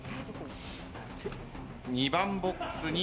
２番ボックスに。